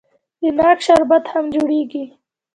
د ناک شربت هم جوړیږي.